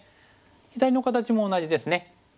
左の形も同じですね。